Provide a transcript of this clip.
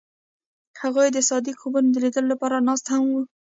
هغوی د صادق خوبونو د لیدلو لپاره ناست هم وو.